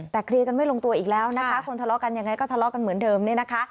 แต่เคลียร์กันไม่ลงตัวอีกแล้วนะคะคนทะเลาะกันยังไงก็ทะเลาะกันเหมือนเดิมเนี่ยนะคะ